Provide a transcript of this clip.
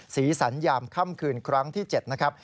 ศรีสรรยามค่ำคืนครั้งที่๗นะครับ